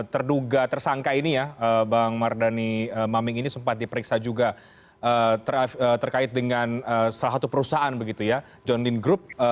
terduga tersangka ini ya bang mardhani maming ini sempat diperiksa juga terkait dengan salah satu perusahaan begitu ya john din group